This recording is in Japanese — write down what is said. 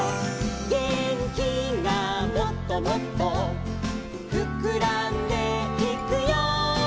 「げんきがもっともっとふくらんでいくよ」